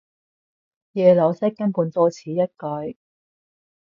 耶魯式根本多此一舉